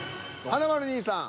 華丸兄さん。